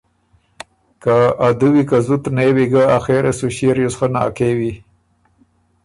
که ا دُوی که زُت نېوی ګه آخېره سُو ݭيې ریوز خه ناکېوی۔